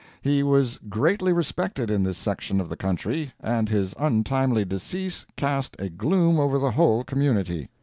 He was greatly respected in this section of the country, and his untimely decease cast a gloom over the whole community.